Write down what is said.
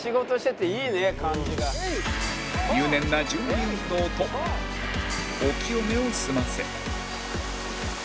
入念な準備運動とお清めを済ませ